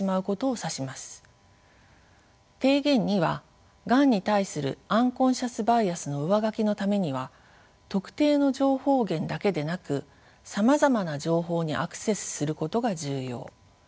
提言２はがんに対するアンコンシャスバイアスの上書きのためには特定の情報源だけでなくさまざまな情報にアクセスすることが重要。